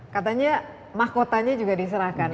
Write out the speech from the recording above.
katanya mahkotanya juga diserahkan